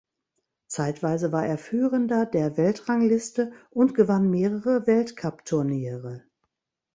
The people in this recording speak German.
Zeitweise war er Führender der Weltrangliste und gewann mehrere Weltcupturniere.